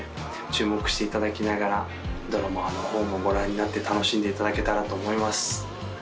注目していただきながらドラマの方もご覧になって楽しんでいただけたらと思います